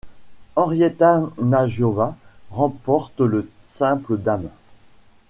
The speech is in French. Henrieta Nagyová remporte le simple dames.